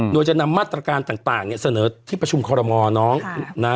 โดยจะนำมาตรการต่างเสนอที่ประชุมคอรมน์ครับ